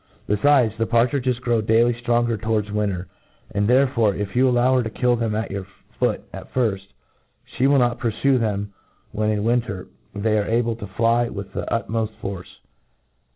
Bcfides, the par tridges grow dsuly ftronger towards winter } an4 therefore, if you allow her. to kill them at your foot at firft, flie will not purfue them when isx winter they are able to fly with their utmoft force.